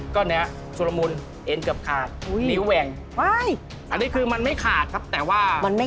ก็นี้ครับชุรมุลเอ็นเกือบขาดนิ้วแหว่ง